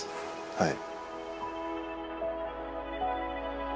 はい。